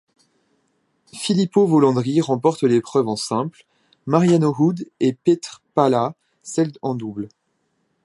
Filippo Volandri remporte l'épreuve en simple, Mariano Hood et Petr Pála celle en double.